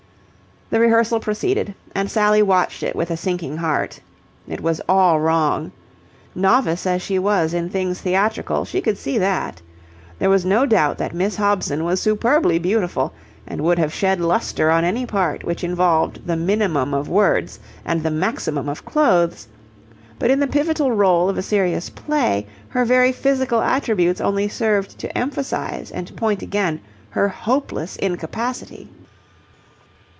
The rehearsal proceeded, and Sally watched it with a sinking heart. It was all wrong. Novice as she was in things theatrical, she could see that. There was no doubt that Miss Hobson was superbly beautiful and would have shed lustre on any part which involved the minimum of words and the maximum of clothes: but in the pivotal role of a serious play, her very physical attributes only served to emphasize and point her hopeless incapacity.